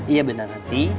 iya beneran nanti